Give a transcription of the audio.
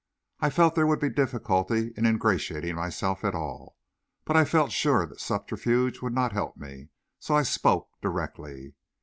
I felt there would be difficulty in ingratiating myself at all, but I felt sure that subterfuge would not help me, so I spoke directly.